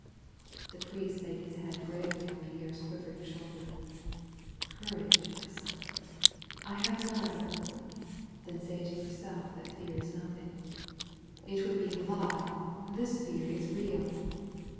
The priest laid his hand gently on Pierre's quiv ering shoulder. *' Courage, my son !" "I have none." "Then say to yourself that fear is nothing." *'It would be a lie. This fear is real."